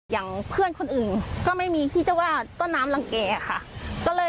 อย่างเพื่อนคนอื่นก็ไม่มีที่จะว่าต้นน้ำรังแก่ค่ะ